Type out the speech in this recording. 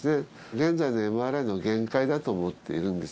現在のＭＲＩの限界だと思っているんです。